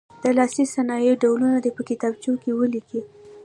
د لاسي صنایعو ډولونه دې په کتابچو کې ولیکي.